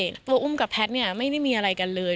แต่ว่าอุ้มกับปแพทไม่ได้มีอะไรกันเลย